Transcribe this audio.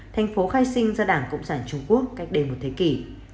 thành phố khai sinh ra đảng cộng sản trung quốc cách đây một thế kỷ